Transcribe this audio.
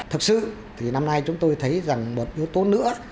thực sự thì năm nay chúng tôi thấy rằng một yếu tố nữa